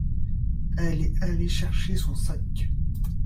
Elle est allée chercher son sac.